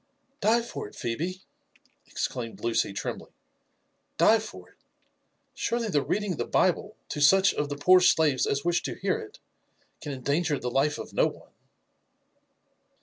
Die for it, Phebe I" exclaimed Lucy trembling, —" Die for it 1— • Surely the reading the Bible to such of the poor slaves as wish to hear it can endanger the life of no one."